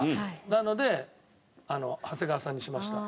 なので長谷川さんにしました。